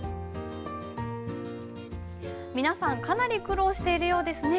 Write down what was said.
皆さんかなり苦労しているようですね。